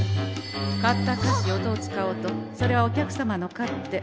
買った菓子をどう使おうとそれはお客様の勝手。